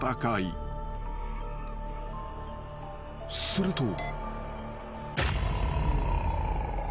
［すると］